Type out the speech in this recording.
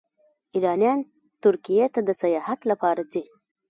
ایرانیان ترکیې ته د سیاحت لپاره ځي.